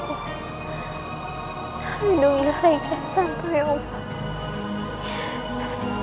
aku merindukan rai kian santa ya allah